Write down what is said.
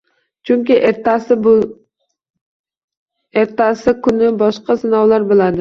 Chunki ertasi kuni boshqa sinovlar bo'ladi